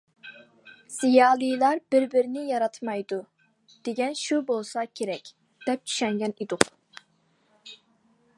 زىيالىيلار بىر- بىرىنى ياراتمايدۇ، دېگەن شۇ بولسا كېرەك، دەپ چۈشەنگەن ئىدۇق.